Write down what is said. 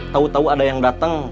tau tau ada yang dateng